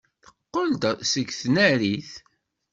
Teqqel-d seg tnarit.